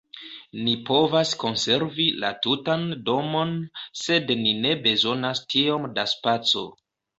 Ni povas konservi la tutan domon, sed ni ne bezonas tiom da spaco.